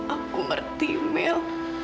aku ngerti mel